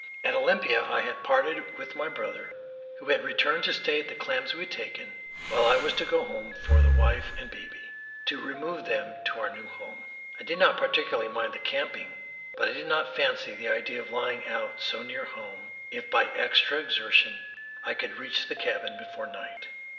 At Olympia I had parted with my brother, who had returned to stay at the claims we had taken, while I was to go home for the wife and baby, to remove them to our new home. I did not particularly mind the camping, but I did not fancy the idea of lying out so near home if by extra exertion I could reach the cabin before night.